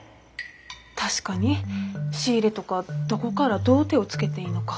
確かに仕入れとかどこからどう手をつけていいのか。